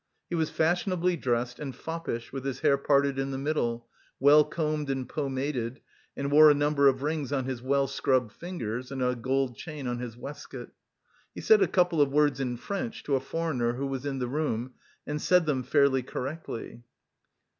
He was fashionably dressed and foppish, with his hair parted in the middle, well combed and pomaded, and wore a number of rings on his well scrubbed fingers and a gold chain on his waistcoat. He said a couple of words in French to a foreigner who was in the room, and said them fairly correctly.